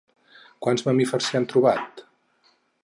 Quants mamífers s'hi han trobat?